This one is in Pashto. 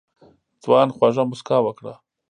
ځوان خوږه موسکا وکړه.